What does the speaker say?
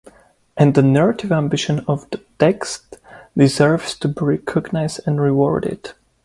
And the narrative ambition of the text deserves to be recognized and rewarded.